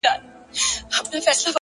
د زړه قوت د ستونزو نه لوی وي!